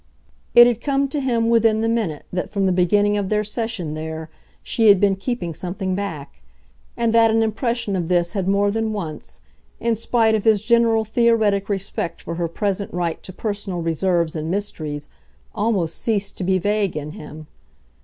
It had come to him within the minute that from the beginning of their session there she had been keeping something back, and that an impression of this had more than once, in spite of his general theoretic respect for her present right to personal reserves and mysteries, almost ceased to be vague in him.